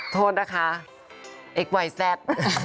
โทษนะคะเอ็กเวย์แซด